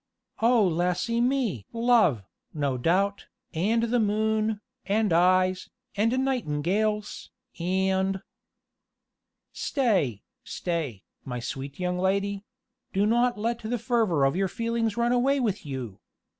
"O lassy me! love, no doubt, and the moon, and eyes, and nightingales, and " Stay, stay, my sweet young lady; do not let the fervor of your feelings run away with you!